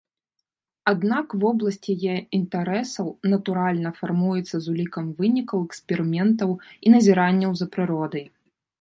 Аднак вобласць яе інтарэсаў, натуральна, фармуецца з улікам вынікаў эксперыментаў і назіранняў за прыродай.